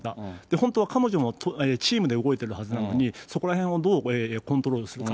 本当は彼女もチームで動いているはずなのに、そこらへんをどうコントロールするか。